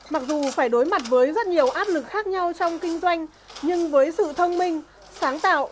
mặc dù phải đối mặt với rất nhiều áp lực khác nhau trong kinh doanh nhưng với sự thông minh sáng tạo